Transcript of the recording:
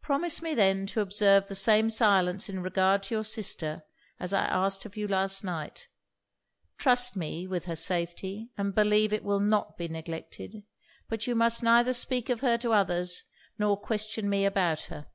'Promise me then to observe the same silence in regard to your sister as I asked of you last night. Trust me with her safety, and believe it will not be neglected. But you must neither speak of her to others, or question me about her.'